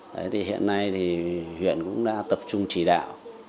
đấy thì hiện nay thì huyện cũng đã tập trung chỉ đạo